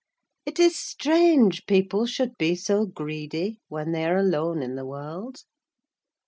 It is strange people should be so greedy, when they are alone in the world!"